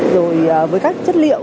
rồi với các chất liệu